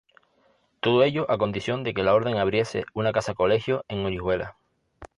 Todo ello a condición de que la orden abriese una casa-colegio en Orihuela.